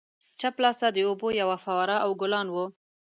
چپ لاسته د اوبو یوه فواره او ګلان وو.